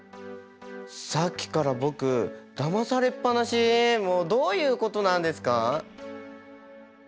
さっきから僕だまされっ放しもうどういうことなんですか？